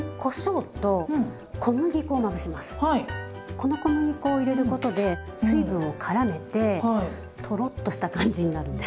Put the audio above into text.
この小麦粉を入れることで水分をからめてとろっとした感じになるんです。